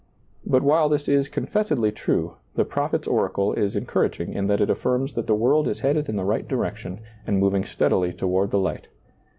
But while this is confessedly true, the prophet's oracle is encouraging in that it affirms that the world is headed in the right direction and moving steadily toward the light.